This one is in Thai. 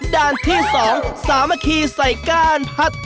ด้านที่๒สามัคคีใส่ก้านพัด